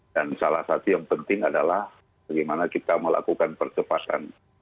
dan salah satu yang penting adalah bagaimana kita melakukan percepatan